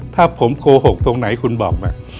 ถ้าผมโกหกตรงไหนคุณบอกมา